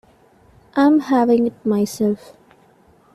I'm having it myself.